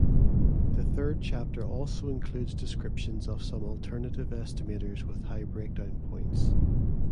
The third chapter also includes descriptions of some alternative estimators with high breakdown points.